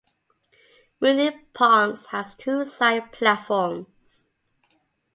Moonee Ponds has two side platforms.